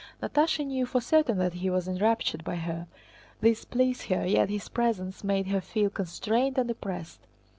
Natásha knew for certain that he was enraptured by her. This pleased her, yet his presence made her feel constrained and oppressed.